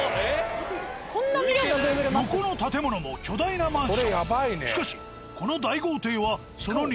横の建物も巨大なマンション。